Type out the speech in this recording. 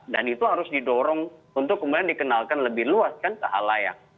dan itu harus didorong untuk kemudian dikenalkan lebih luas kan ke hal layak